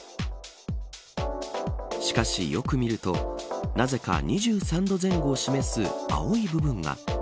しかし、よく見るとなぜか、２３度前後を示す青い部分が。